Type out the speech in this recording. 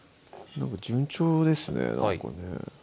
順調ですねなんかね